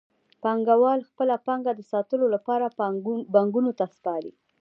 پانګوال خپله پانګه د ساتلو لپاره بانکونو ته سپاري